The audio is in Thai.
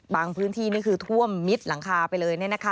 พื้นที่นี่คือท่วมมิดหลังคาไปเลย